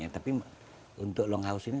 tapi untuk longhouse ini